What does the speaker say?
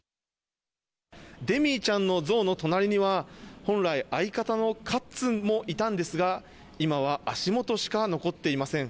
デミーちゃんの像の隣には、本来、相方のかっつんもいたんですが、今は足元しか残っていません。